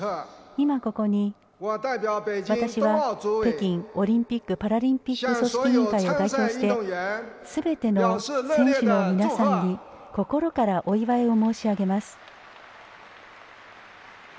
今ここに、私は北京オリンピック・パラリンピック組織委員会を代表してすべての選手の皆さんに心からお祝いを申し上げます。